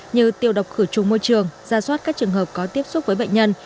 như tiêu độc khử trùng môi trường ra soát các trường hợp có tiếp xúc với bệnh nhân